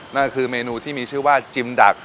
นั่นคือเมนูที่มีชื่อว่าจิมดัก